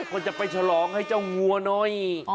คนจะไปฉลองให้เจ้าวัวหน่อย